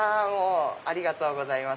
ありがとうございます。